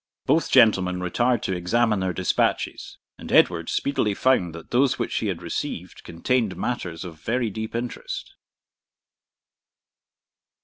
Both gentlemen retired to examine their despatches, and Edward speedily found that those which he had received contained matters of very deep interest.